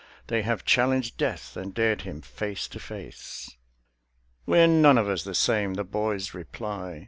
They have challenged Death and dared him face to face." "We're none of us the same!" the boys reply.